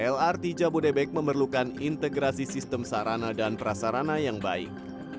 lrt jabodebek memerlukan integrasi sistem sarana dan prasarana yang baik